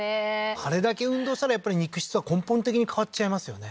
あれだけ運動したらやっぱり肉質は根本的に変わっちゃいますよね